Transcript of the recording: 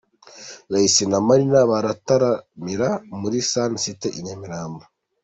Ray C na Marina barataramira muri Sun City i Nyamirambo.